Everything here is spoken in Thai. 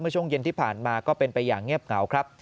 ช่วงเย็นที่ผ่านมาก็เป็นไปอย่างเงียบเหงาครับ